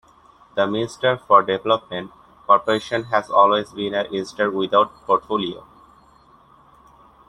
The minister for development cooperation has always been a minister without portfolio.